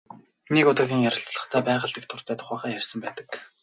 Нэг удаагийн ярилцлагадаа байгальд их дуртай тухайгаа ярьсан байдаг.